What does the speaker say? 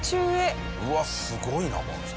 うわっすごいなこの人。